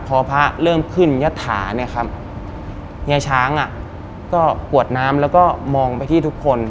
พอพระเริ่มขึ้นยัตถาเนี่ยครับเฮียช้างอ่ะก็กวดน้ำแล้วก็มองไปที่ทุกคน